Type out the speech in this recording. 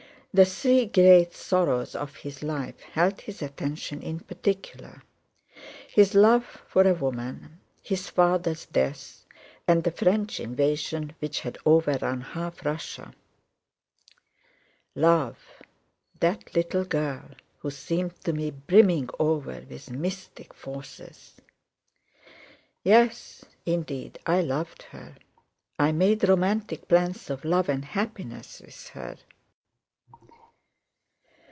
The three great sorrows of his life held his attention in particular: his love for a woman, his father's death, and the French invasion which had overrun half Russia. "Love... that little girl who seemed to me brimming over with mystic forces! Yes, indeed, I loved her. I made romantic plans of love and happiness with her!